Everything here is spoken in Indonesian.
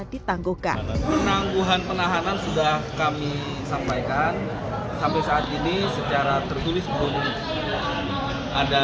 ditangguhkan penangguhan penahanan sudah kami sampaikan sampai saat ini secara tertulis belum ada